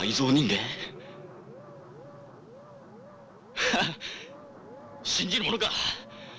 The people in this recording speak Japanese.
⁉ハハッ信じるものか！